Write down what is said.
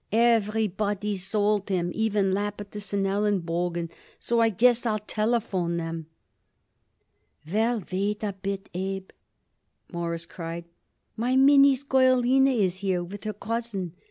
Everybody sold him, even Lapidus & Elenbogen. So I guess I'll telephone 'em." "Well, wait a bit, Abe," Morris cried. "My Minnie's girl Lina is here with her cousin.